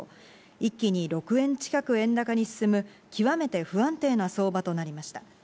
一気に６円近く円高に進む極めて不安定な相場となりました。